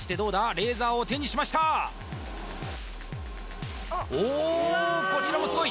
レーザーを手にしましたおこちらもすごい！